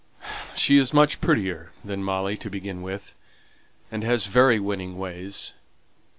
"She is much prettier than Molly to begin with, and has very winning ways.